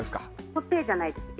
固定じゃないです。